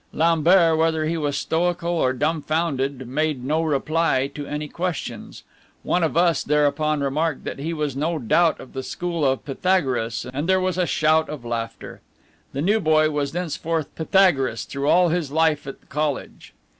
Lambert, whether he was stoical or dumfounded, made no reply to any questions. One of us thereupon remarked that he was no doubt of the school of Pythagoras, and there was a shout of laughter. The new boy was thenceforth Pythagoras through all his life at the college.